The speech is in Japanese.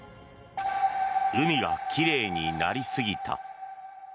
海が奇麗になりすぎた。